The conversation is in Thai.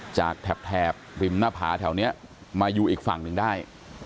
แถบริมหน้าผาแถวนี้มาอยู่อีกฝั่งหนึ่งได้